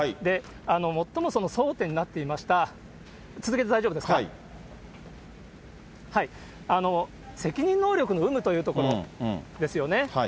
最も争点になっていました、責任能力の有無というところですよね。